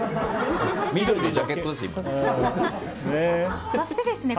緑のジャケットね。